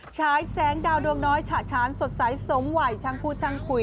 ใช้แสงดาวน้อยฉะฉันสดใสสมไหวช่างพูดช่างคุย